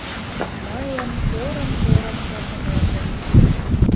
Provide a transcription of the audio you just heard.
Мыйым порын-порын шарнымеке